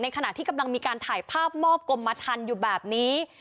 ขณะที่กำลังมีการถ่ายภาพมอบกรมทันอยู่แบบนี้